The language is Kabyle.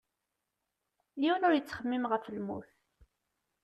Yiwen ur yettxemmim ɣef lmut.